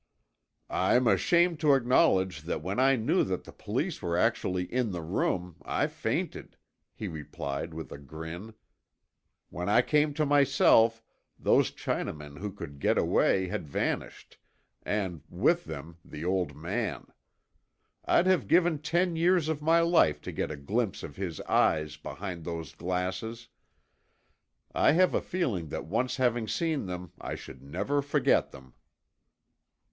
"I'm ashamed to acknowledge that when I knew that the police were actually in the room, I fainted," he replied with a grin. "When I came to myself, those Chinamen who could get away had vanished, and with them the old man. I'd have given ten years of my life to get a glimpse of his eyes behind those glasses. I have a feeling that once having seen them I should never forget them."